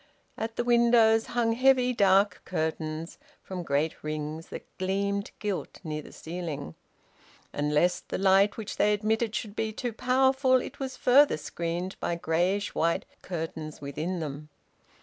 At the windows hung heavy dark curtains from great rings that gleamed gilt near the ceiling; and lest the light which they admitted should be too powerful it was further screened by greyish white curtains within them.